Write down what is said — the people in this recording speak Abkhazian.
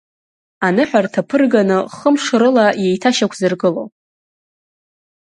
Аныҳәарҭа ԥырганы хы-мш рыла иеиҭашьақәзыргыло!